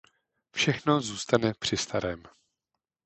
Všechno zůstane při starém.